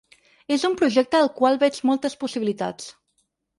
És un projecte al qual veig moltes possibilitats.